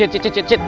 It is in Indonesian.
cik cik cik cik